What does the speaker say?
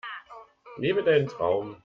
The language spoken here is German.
Lebe deinen Traum!